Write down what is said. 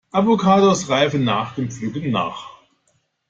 Avocados reifen nach dem Pflücken nach.